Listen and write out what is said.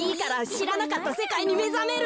しらなかったせかいにめざめるのだ。